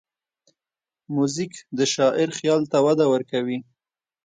موزیک د شاعر خیال ته وده ورکوي.